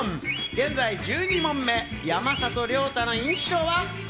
現在１２問目、山里亮太の印象は？